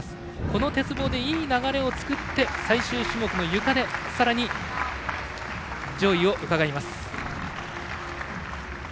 この鉄棒でいい流れを作って最終種目のゆかでさらに上位をうかがいます。